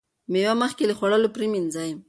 مېوه مخکې له خوړلو پریمنځئ.